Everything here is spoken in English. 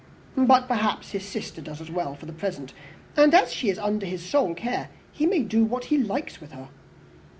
But, perhaps, his sister does as well for the present; and, as she is under his sole care, he may do what he likes with her."